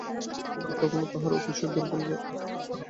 কিন্তু তখনো তাঁহার অতিশয় দুর্বল অবস্থা।